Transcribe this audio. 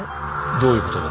どういう事だ？